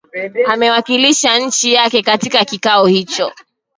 ameiwakilisha nchi yake katika kikao hicho